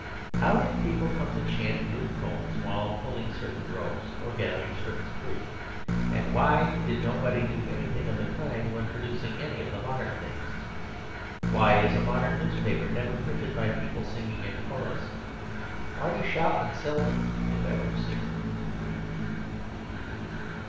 How did people come to chant rude poems while pulling certain ropes or gathering certain fruit, and why did nobody do anything of the kind while producing any of the modern things? Why is a modern newspaper never printed by people singing in chorus? Why do shopmen seldom, if ever, sing?